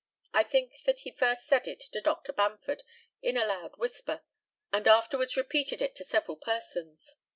I think that he first said it to Dr. Bamford in a loud whisper, and afterwards repeated it to several persons.